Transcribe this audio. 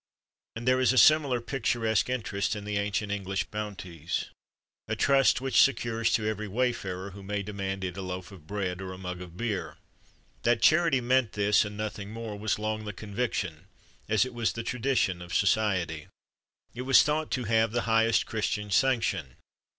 And there is a similar picturesque interest in the ancient English bounties a trust which secures to every wayfarer who may demand it a loaf of bread or a mug of beer. That charity meant this, and nothing more, was long the conviction, as it was the tradition, of society. It was thought to have the highest Christian sanction.